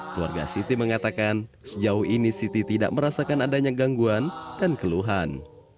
keluarga siti mengatakan sejauh ini siti tidak merasakan adanya gangguan dan keluhan